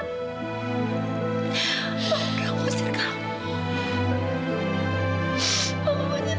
maafin tak maafin tak